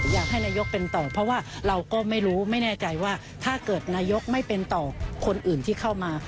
อยากให้นายกเป็นต่อเพราะว่าเราก็ไม่รู้ไม่แน่ใจว่าถ้าเกิดนายกไม่เป็นต่อคนอื่นที่เข้ามา